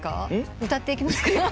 歌っていきますか？